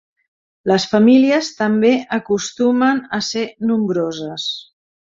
Les famílies també acostumen a ser nombroses.